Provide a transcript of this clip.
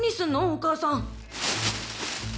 お母さん！